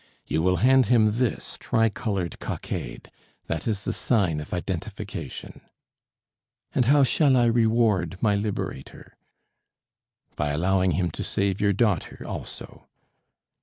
"You will hand him this tri colored cockade; that is the sign of identification." "And how shall I reward my liberator?" "By allowing him to save your daughter also."